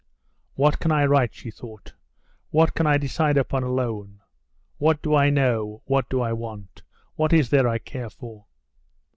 "What can I write?" she thought. "What can I decide upon alone? What do I know? What do I want? What is there I care for?"